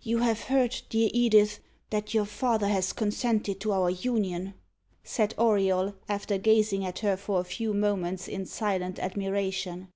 "You have heard, dear Edith, that your father has consented to our union?" said Auriol, after gazing at her for a few moments in silent admiration.